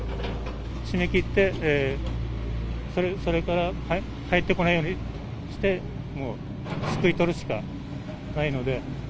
閉めきって、それから入ってこないようにして、すくい取るしかないので。